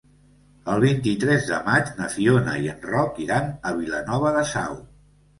El vint-i-tres de maig na Fiona i en Roc iran a Vilanova de Sau.